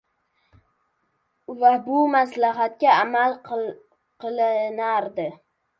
va bu maslahatga amal qilinardi.